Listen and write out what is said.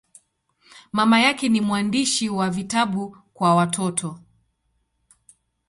Mama yake ni mwandishi wa vitabu kwa watoto.